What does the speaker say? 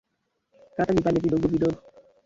Kata vipande vidogo vidogo